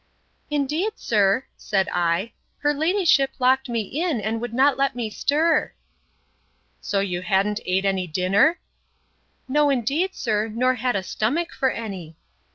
Indeed, sir, said I, her ladyship locked me in, and would not let me stir.—So you ha'nt ate any dinner? No, indeed, sir, nor had a stomach for any.